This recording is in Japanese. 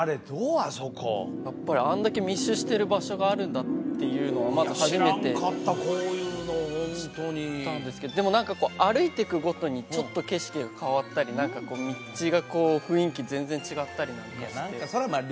あそこやっぱりあんだけ密集してる場所があるんだっていうのはまず初めて知らんかったこういうのホントにでも何かこう歩いていくごとにちょっと景色が変わったり何かこう道が雰囲気全然違ったりなんかしていや何かそりゃまあ